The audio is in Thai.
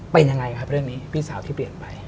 เป็นยังไงครับเรื่องนี้พี่สาวที่เปลี่ยนไป